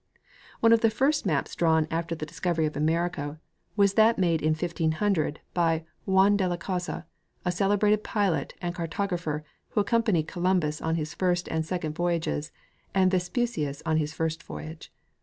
One of the first maps drawn after the discovery of America was that made in 1500 by Juan de la Cosa, a celebrated pilot and car tographer who accompanied Columbus on his first and second voyages and Vespucius on his first voyage.